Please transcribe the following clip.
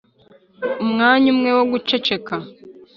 umwanya umwe wo guceceka,